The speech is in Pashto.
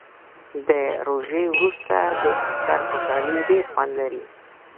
د روژې وروسته د اختر خوشحالي ډیر خوند لري